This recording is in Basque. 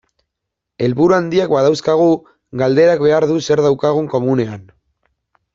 Helburu handiak badauzkagu, galderak behar du zer daukagun komunean.